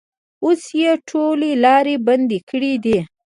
اوس یې ټولې لارې بندې کړې دي.